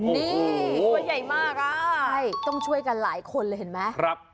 นี่ตัวใหญ่มากอ่ะใช่ต้องช่วยกันหลายคนเลยเห็นไหม